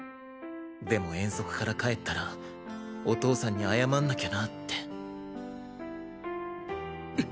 「でも遠足から帰ったらお父さんに謝んなきゃな」って。